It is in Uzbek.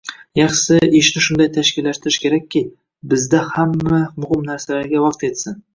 Yaxshisi, ishni shunday tashkillashtirish kerakki, sizda hamma muhim narsalarga vaqt yetsin.